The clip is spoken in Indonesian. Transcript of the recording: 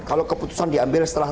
kalau keputusan diambil setelah